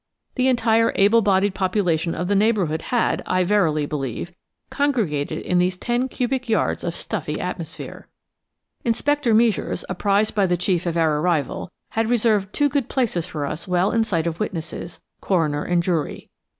The entire able bodied population of the neighbourhood had, I verily believe, congregated in these ten cubic yards of stuffy atmosphere. Inspector Meisures, apprised by the chief of our arrival, had reserved two good places for us well in sight of witnesses, coroner and jury.